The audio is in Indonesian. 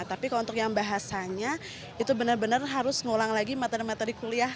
tapi kalau untuk yang bahasanya itu benar benar harus ngulang lagi materi materi kuliah